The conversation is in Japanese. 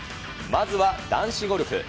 まずは男子ゴルフ。